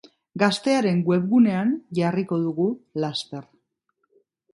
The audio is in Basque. Gaztearen webgunean jarriko dugu laster.